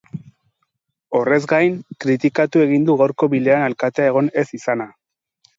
Horrez gain, kritikatu egin du gaurko bileran alkatea egon ez izana.